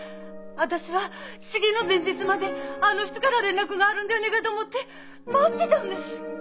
私は式の前日まであの人がら連絡があるんではねえがと思っで待ってたんです！